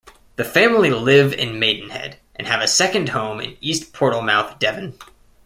The family live in Maidenhead, and have a second home in East Portlemouth, Devon.